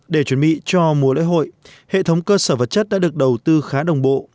để chuẩn bị cho mùa lễ hội hệ thống cơ sở vật chất đã được đầu tư khá đồng bộ